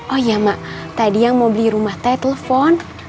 oh iya mak tadi yang mau beli rumah t telpon